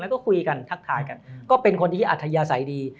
แล้วก็คุยกันทักทายกันก็เป็นคนที่อัธยาศัยดี